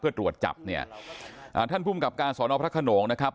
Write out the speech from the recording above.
เพื่อตรวจจับเนี่ยอ่าท่านภูมิกับการสอนอพระขนงนะครับ